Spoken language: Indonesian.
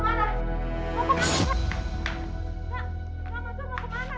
kak mansyur mau ke mana